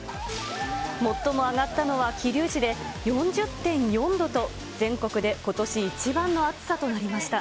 最も上がったのは桐生市で、４０．４度と全国でことし一番の暑さとなりました。